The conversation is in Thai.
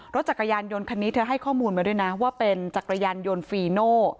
รถจักรยานยนต์คันนี้เธอให้ข้อมูลมาด้วยนะว่าเป็นจักรยานยนต์ฟีโน่